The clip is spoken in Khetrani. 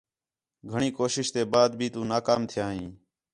گھݨی کوشش تے بعد بھی تو نا کام تھیا ھیں